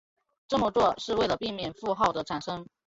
这么做是为了避免负号的产生。